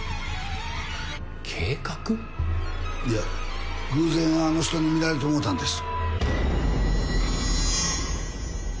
いや偶然あの人に見られてもうたんです。